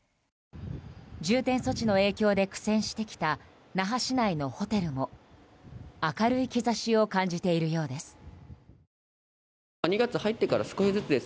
重点措置の影響で苦戦してきた那覇市内のホテルも明るい兆しを感じているようです。